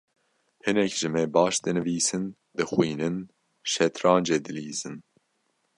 Hinek ji me baş dinivîsin, dixwînin, şetrancê dilîzin.